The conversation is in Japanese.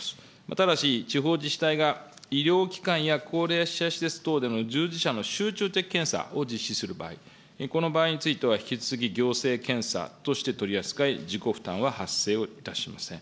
ただし、地方自治体が医療機関や高齢者施設等での従事者の集中的検査を実施する場合、この場合については引き続き、行政検査として取り扱い、自己負担は発生をいたしません。